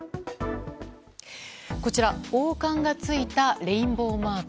こちら王冠がついたレインボーマーク。